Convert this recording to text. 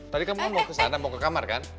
tadi kamu kan mau ke sana mau ke kamar kan